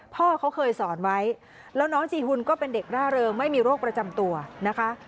พ่อเขาเคยสอนไว้แล้วน้องจีหุ่นก็เป็นเด็กร่าเริงไม่มีโรคประจำตัวนะคะ